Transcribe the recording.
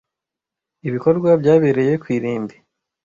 Ibikorwa byabereye ku irimbi